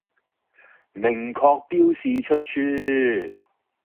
明確標示出處